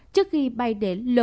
trước khi bay đến loe